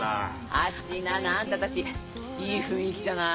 ハチナナあんたたちいい雰囲気じゃない？